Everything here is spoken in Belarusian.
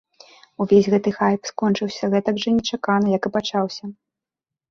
Увесь гэты хайп скончыўся гэтак жа нечакана, як і пачаўся.